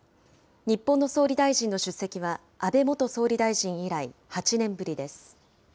日本の総理大臣の出席は、安倍元総理大臣以来、８年ぶりです。